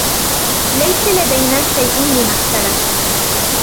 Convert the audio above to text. ليس لدينا شيء لنخسره.